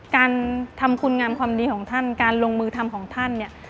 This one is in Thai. การทำคุณงามความดีของท่านการลงมือทำของท่านเนี่ย